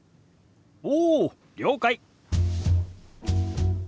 おお了解！